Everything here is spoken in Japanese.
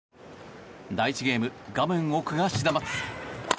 第１ゲーム、画面奥がシダマツ。